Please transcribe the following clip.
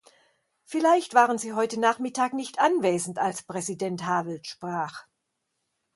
Vielleicht waren Sie heute Nachmittag nicht anwesend, als Präsident Havel sprach.